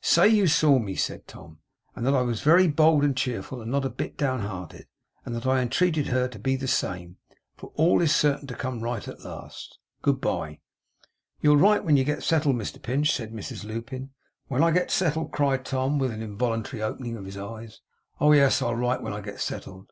'Say you saw me,' said Tom, 'and that I was very bold and cheerful, and not a bit down hearted; and that I entreated her to be the same, for all is certain to come right at last. Good bye!' 'You'll write when you get settled, Mr Pinch?' said Mrs Lupin. 'When I get settled!' cried Tom, with an involuntary opening of his eyes. 'Oh, yes, I'll write when I get settled.